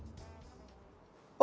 あ？